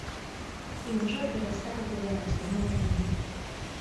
І ўжо перасталі давяраць адно аднаму.